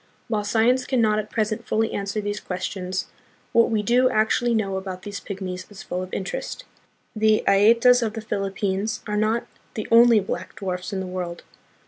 While science can not at present fully answer these questions, what we do actually know about these pygmies is full of interest. The Aetas of the Philippines are not the only black dwarfs in the world.